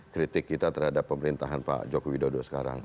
kritik kita terhadap pemerintahan pak joko widodo sekarang